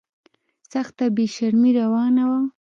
سخته بې شرمي روانه وه.